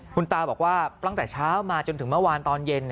คุณตาบอกว่าตั้งแต่เช้ามาจนถึงเมื่อวานตอนเย็น